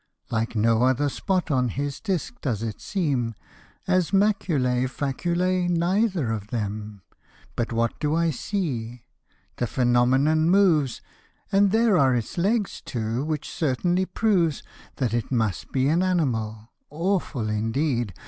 Like no other spot on his disc does it seem ; As maculae, facul<K^ neither of them. But what do I see? the phenomenon moves, And there are its legs too, which certainly proves That it must be an animal: awful indeed